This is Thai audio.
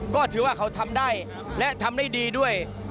ก็ถือว่าเขาทำได้และทำได้ดีด้วย